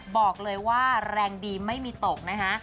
บอกเลยว่าแรงดีไม่มีตกนะคะ